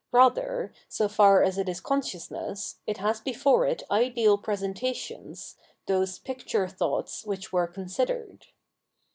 Eather, so far as it is consciousness, it has before it ideal presentations, those picture thoughts which were considered.